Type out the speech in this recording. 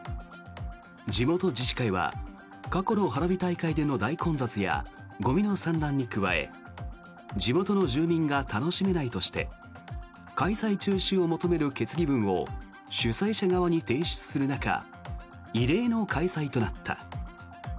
地元自治会は過去の花火大会での大混雑やゴミの散乱に加え地元の住民が楽しめないとして開催中止を求める決議文を主催者側に提出する中異例の開催となった。